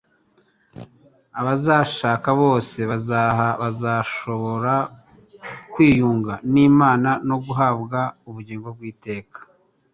Abazanshaka bose bazashobora kwiyunga n'Imana no guhabwa ubugingo bw'iteka.